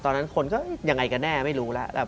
ตอนนั้นคนก็ยังไงกันแน่ไม่รู้แล้ว